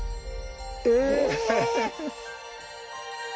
え！